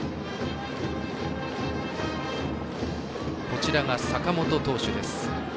こちらが坂本投手です。